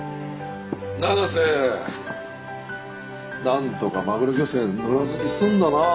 なんとかマグロ漁船乗らずに済んだな。